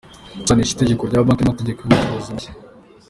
Gusanisha itegeko rya banki n’amategeko y’ubucuruzi mashya.